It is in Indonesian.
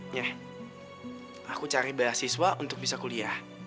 nyeh aku cari bela siswa untuk bisa kuliah